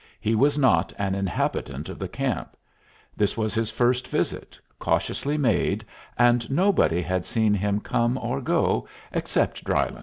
He was not an inhabitant of the camp. This was his first visit, cautiously made, and nobody had seen him come or go except Drylyn.